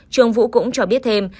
trường vũ cũng cho biết thêm